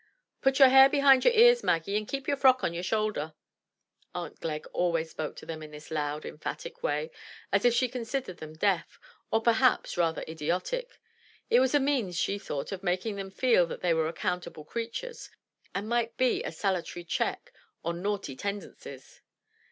"Put your hair behind your ears, Maggie, and keep your frock on your shoulder." Aunt Glegg always spoke to them in this loud, emphatic way, as if she considered them deaf, or perhaps rather idiotic; it was a means, she thought, of making them feel that they were accountable creatures, and might be a salutary check on naughty tendencies.